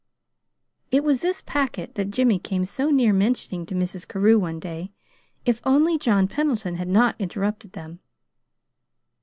It was this Packet that Jimmy came so near mentioning to Mrs. Carew one day, if only John Pendleton had not interrupted them.